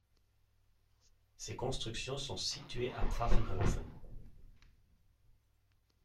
Ces constructions sont situées à Pfaffenhoffen.